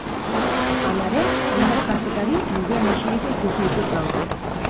Halare, hainbat kazetari lurrean eserita ikusi ditut gaur.